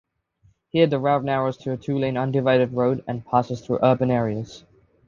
Here, the route narrows to a two-lane undivided road and passes through urban areas.